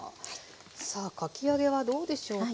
さあかき揚げはどうでしょうか。